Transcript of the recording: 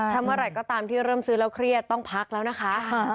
ถ้าเมื่อไหร่ก็ตามที่เริ่มซื้อแล้วเครียดต้องพักแล้วนะคะ